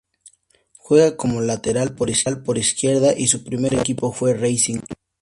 Juega como lateral por izquierda y su primer equipo fue Racing Club.